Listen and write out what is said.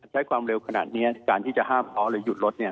ใช้ความเร็วขนาดนี้การที่จะห้ามเขาหรือหยุดรถเนี่ย